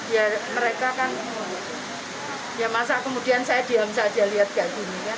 ya mereka kan ya masa kemudian saya diam saja lihat kayak gini kan